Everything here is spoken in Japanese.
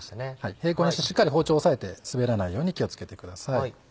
平行にしてしっかり包丁押さえて滑らないように気を付けてください。